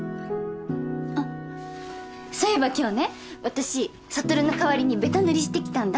あっそういえば今日ね私悟の代わりにべた塗りしてきたんだ。